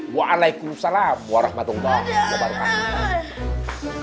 waalaikumsalam warahmatullahi wabarakatuh